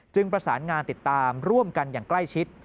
ประสานงานติดตามร่วมกันอย่างใกล้ชิด